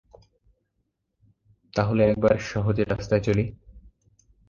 তা হলে একবার সহজের রাস্তায় চলি।